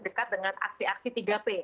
dekat dengan aksi aksi tiga p